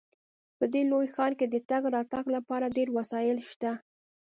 په دې لوی ښار کې د تګ راتګ لپاره ډیر وسایل شته